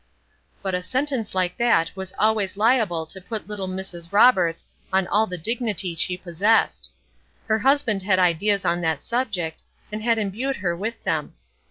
But a sentence like that was always liable to put little Mrs. Roberts on all the dignity she possessed. Her husband had ideas on that subject, and had imbued her with them.